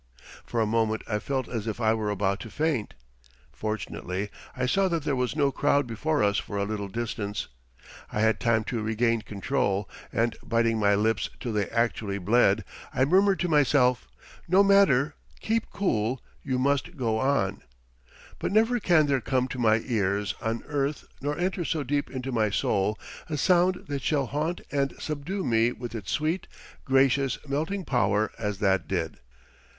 For a moment I felt as if I were about to faint. Fortunately I saw that there was no crowd before us for a little distance. I had time to regain control, and biting my lips till they actually bled, I murmured to myself, "No matter, keep cool, you must go on"; but never can there come to my ears on earth, nor enter so deep into my soul, a sound that shall haunt and subdue me with its sweet, gracious, melting power as that did.